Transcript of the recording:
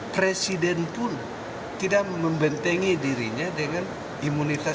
presiden pun tidak membentengi dirinya dengan imunitas